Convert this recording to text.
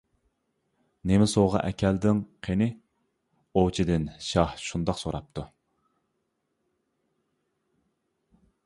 «نېمە سوۋغا ئەكەلدىڭ قېنى» ئوۋچىدىن شاھ شۇنداق سوراپتۇ.